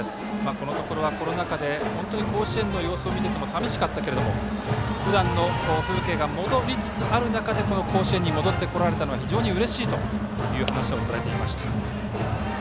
このところはコロナ禍で甲子園の様子を見ていても寂しかったけれどもふだんの風景が戻りつつある中で甲子園に戻ってこられたのは非常にうれしいという話をされていました。